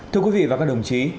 thưa quý vị và các đồng chí